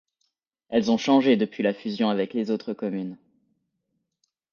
Elles ont changé depuis la fusion avec les autres communes.